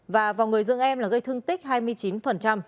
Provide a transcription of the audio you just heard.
và vào người dưỡng em là gây thương tích hai mươi chín